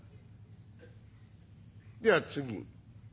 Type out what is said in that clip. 「では次。